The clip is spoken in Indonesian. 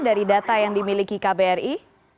dari data yang dimiliki kbri